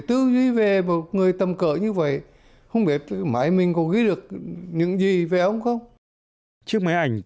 trước mấy ảnh cùng nhấp ảnh